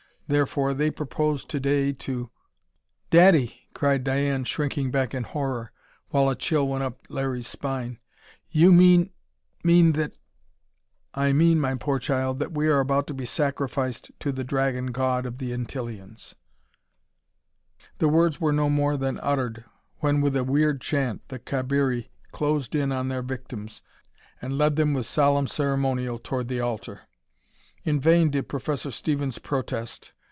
Therefore they propose today to " "Daddy!" cried Diane, shrinking back in horror, while a chill went up Larry's spine. "You mean mean that " "I mean, my poor child, that we are about to be sacrificed to the dragon god of the Antillians." The words were no more than uttered, when with a weird chant the Cabiri closed in on their victims and led them with solemn ceremonial toward the altar. In vain did Professor Stevens protest.